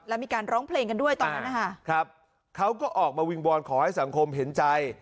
แล้วมีการร้องเพลงกันด้วยตอนนั้นนะคะครับเขาก็ออกมาวิงวอนขอให้สังคมเห็นใจ